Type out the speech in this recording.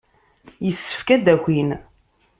Yessefk ad d-akin.